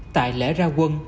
tại lễ ra quân